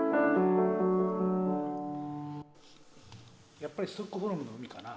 やっぱりストックホルムの海かな？